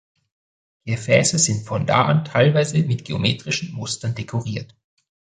Gefäße sind von da an teilweise mit geometrischen Mustern dekoriert.